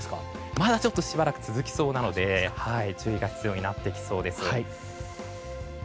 まだしばらく続きそうなので注意が必要になってきそうです。